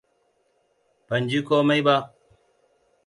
Ban ji komai ba.